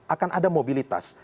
akan ada mobilitas